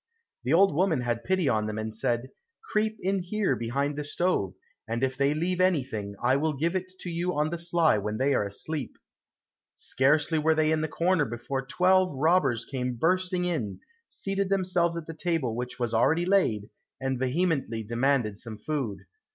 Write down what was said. The old woman had pity on them and said, "Creep in here behind the stove, and if they leave anything, I will give it to you on the sly when they are asleep." Scarcely were they in the corner before twelve robbers came bursting in, seated themselves at the table which was already laid, and vehemently demanded some food.